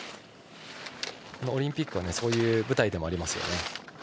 オリンピックはそういう舞台でもありますから。